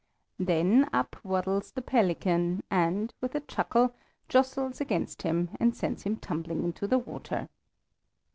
Then up waddles the pelican and, with a chuckle, jostles against him, and sends him tumbling into the water.